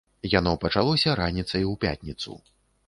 Яно пачалося раніцай у пятніцу.